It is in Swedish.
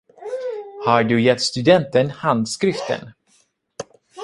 Har du gett studenten handskriften?